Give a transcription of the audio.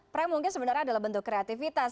prank mungkin sebenarnya adalah bentuk kreativitas